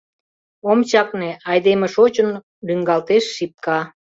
Ом чакне «Айдеме шочын — лӱҥгалтеш шипка...»